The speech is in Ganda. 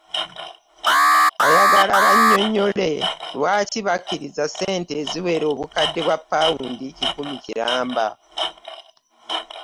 Ayagala bannyonnyole lwaki bakkiriza ssente eziwera obukadde bwa Pawundi kikumi kiramba